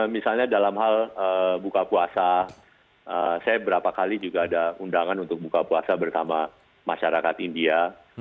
misalnya dalam hal buka puasa saya berapa kali juga ada undangan untuk buka puasa bersama masyarakat india